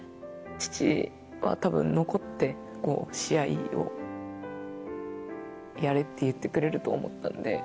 父はたぶん残って、試合をやれって言ってくれると思ったんで。